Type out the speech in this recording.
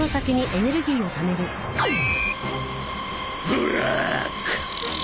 ブラック。